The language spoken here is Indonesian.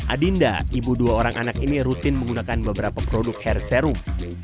adinda ibu dua orang anak ini rutin menggunakan beberapa produk hair serum